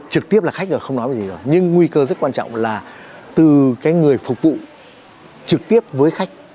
trực tiếp là khách rồi không nói gì rồi nhưng nguy cơ rất quan trọng là từ cái người phục vụ trực tiếp với khách